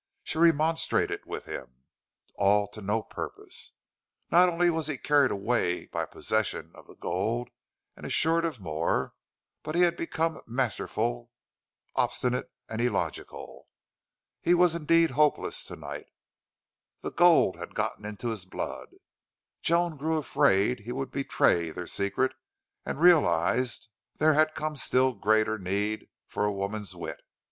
She remonstrated with him, all to no purpose. Not only was he carried away by possession of gold and assurance of more, but he had become masterful, obstinate, and illogical. He was indeed hopeless to night the gold had gotten into his blood. Joan grew afraid he would betray their secret and realized there had come still greater need for a woman's wit.